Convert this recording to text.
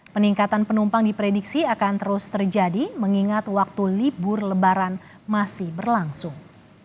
peningkatan penumpang diprediksi akan terus terjadi mengingat waktu libur lebaran masih berlangsung